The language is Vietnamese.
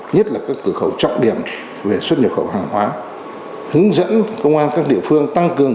nhất là các cửa khẩu trọng điểm về xuất nhập khẩu hàng hóa hướng dẫn công an các địa phương tăng cường